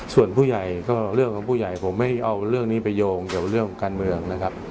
ส่วนผู้ใหญ่ก็เรื่องของผู้ใหญ่ผมไม่เอาเรื่องนี้ไปโยงเกี่ยวกับเรื่องการเมืองนะครับ